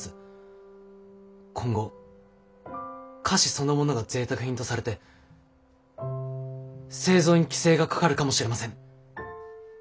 今後菓子そのものがぜいたく品とされて製造に規制がかかるかもしれません。